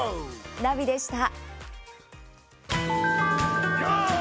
ナビでした。